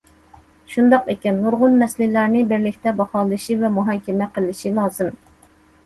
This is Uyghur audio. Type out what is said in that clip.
شۇنداق ئىكەن، نۇرغۇن مەسىلىلەرنى بىرلىكتە باھالىشى ۋە مۇھاكىمە قىلىشى لازىم.